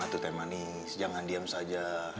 satu teh manis jangan diam saja